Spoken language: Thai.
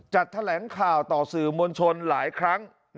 แถลงข่าวต่อสื่อมวลชนหลายครั้ง